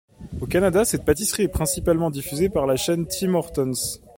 Au Canada, cette pâtisserie est principalement diffusée par la chaîne Tim Hortons.